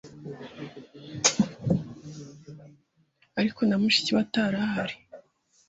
ariko na mushiki we arahari